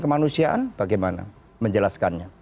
kemanusiaan bagaimana menjelaskannya